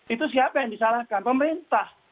itu siapa yang disalahkan pemerintah